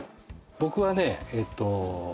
僕はねえっと。